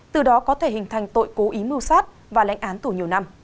từ đó có thể hình thành tội cố ý mưu sát và lãnh án tù nhiều năm